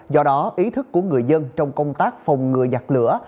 do đó ý thức của người dân trong công tác phòng ngừa giặc lửa